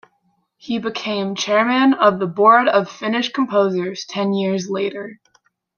He became chairman of the board of Finnish Composers ten years later.